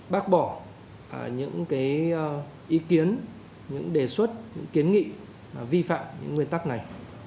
bác bỏ những ý kiến những đề xuất những kiến nghị vi phạm những nguyên tắc này